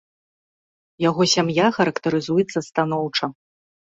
Яго сям'я характарызуецца станоўча.